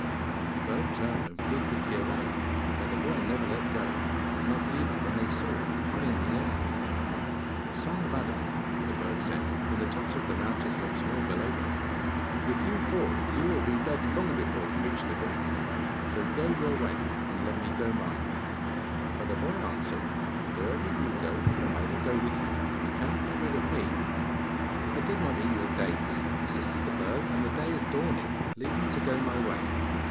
The bird turned and flew quickly away, but the boy never let go, not even when they soared high into the air. 'Son of Adam,' the bird said when the tops of the mountains looked small below them, 'if you fall, you will be dead long before you reach the ground, so go your way, and let me go mine.' But the boy answered, 'Wherever you go, I will go with you. You cannot get rid of me.' 'I did not eat your dates,' persisted the bird, 'and the day is dawning. Leave me to go my way.